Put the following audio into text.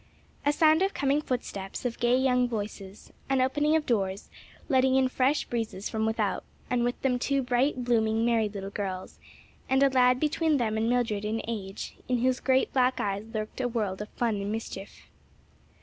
A sound of coming footsteps, of gay, young voices, an opening of doors, letting in fresh breezes from without, and with them two bright, blooming, merry little girls and a lad between them and Mildred in age, in whose great black eyes lurked a world of fun and mischief.